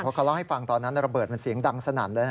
เพราะเขาเล่าให้ฟังตอนนั้นระเบิดมันเสียงดังสนั่นเลย